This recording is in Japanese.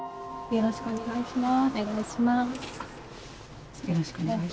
よろしくお願いします。